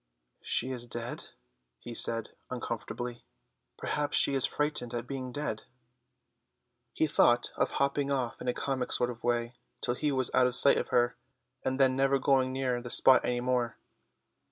"She is dead," he said uncomfortably. "Perhaps she is frightened at being dead." He thought of hopping off in a comic sort of way till he was out of sight of her, and then never going near the spot any more.